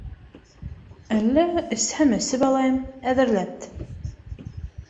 — Әллә, эсһәм эсеп алайым, әҙерләт.